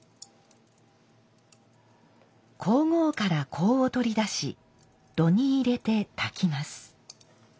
香合から香を取り出し炉に入れてたきます。